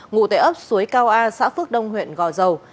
ngụ tại ấp suối cao a xã phước đông huyện gò dầu